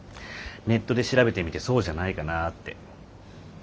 ネットで調べてみてそうじゃないかなって。